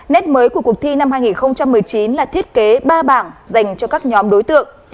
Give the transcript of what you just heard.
nét mới của cuộc thi năm hai nghìn một mươi chín là thiết kế ba bảng dành cho các nhóm đối tượng